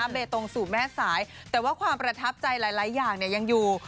เบตงสู่แม่สายแต่ว่าความประทับใจหลายอย่างยังอยู่